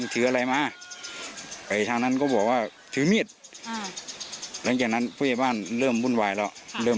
ถืออะไรมาไปทางนั้นก็บอกว่าถือมีดหลังจากนั้นผู้ใหญ่บ้านเริ่มวุ่นวายแล้วเริ่ม